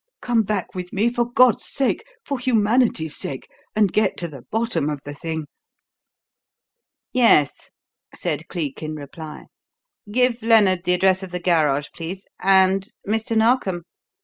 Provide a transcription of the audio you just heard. Come back with me, for God's sake for humanity's sake and get to the bottom of the thing." "Yes," said Cleek in reply. "Give Lennard the address of the garage, please; and Mr. Narkom!"